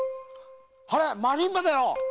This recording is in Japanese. あれっマリンバだよ。